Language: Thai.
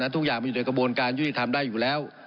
ทุกอย่างมีอยู่ในกระบวนการยุติธรรมได้อยู่แล้ว